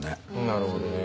なるほどね。